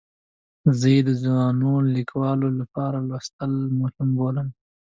زه یې د ځوانو لیکوالو لپاره لوستل مهم بولم.